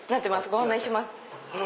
ご案内します。